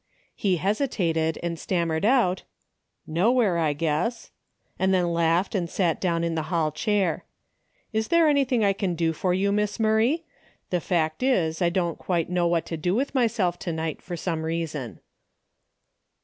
He hesitated and stammered out :" Howhere, I guess," and then laughed and sat down in the hall chair. " Is there anything I can do for you. Miss Murray ? The fact is I don't quite know what to do with myself to night, for some reason."